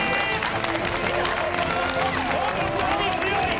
本当に強い！